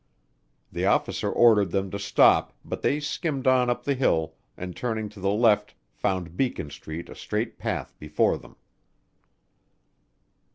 The officer ordered them to stop, but they skimmed on up the hill and turning to the left found Beacon Street a straight path before them.